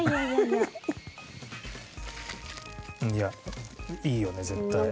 いやいいよね絶対。